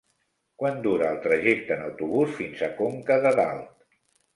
Quant dura el trajecte en autobús fins a Conca de Dalt?